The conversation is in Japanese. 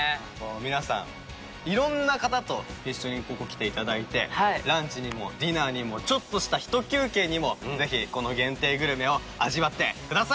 皆さん色んな方と一緒にここ来て頂いてランチにもディナーにもちょっとしたひと休憩にもぜひこの限定グルメを味わってください。